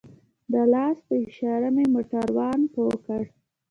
د لاس په اشاره مې موټروان پوه کړ.